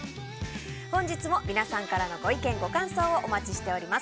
本日も皆さんからのご意見、ご感想をお待ちしております。